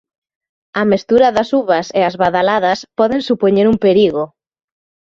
A mestura das uvas e as badaladas poden supoñer un perigo.